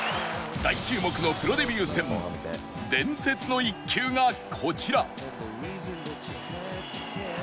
大注目のプロデビュー戦伝説の一球がこちら